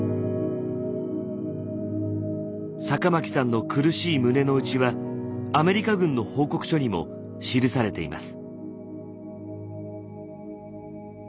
酒巻さんの苦しい胸の内はアメリカ軍の報告書にも記されています。